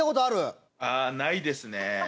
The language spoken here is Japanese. ああないですね。